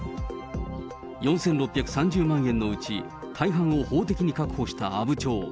４６３０万円のうち大半を法的に確保した阿武町。